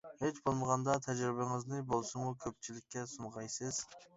ھېچ بولمىغاندا تەجرىبىڭىزنى بولسىمۇ كۆپچىلىككە سۇنغايسىز.